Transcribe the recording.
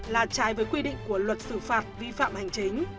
là trái với quy định của luật xử phạt vi phạm hành chính